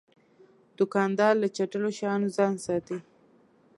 دوکاندار له چټلو شیانو ځان ساتي.